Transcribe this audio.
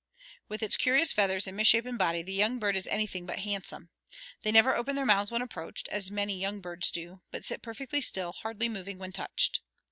With its curious feathers and misshapen body the young bird is anything but handsome. They never open their mouths when approached, as many young birds do, but sit perfectly still, hardly moving when touched."